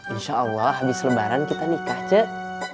insya allah habis lebaran kita nikah cek